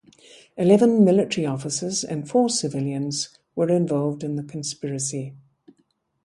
Eleven military officers and four civilians were involved in the conspiracy.